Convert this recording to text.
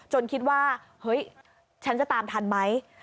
คิดว่าเฮ้ยฉันจะตามทันไหม